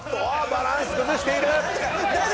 バランス崩している。